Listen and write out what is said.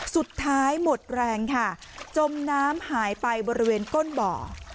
สุดท้ายหมดแรงค่ะจมน้ำหายไปบริเวณก้นบ่อ